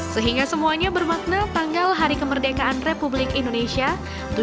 sehingga semuanya bermakna tanggal hari kemerdekaan republik indonesia tujuh belas agustus seribu sembilan ratus empat puluh lima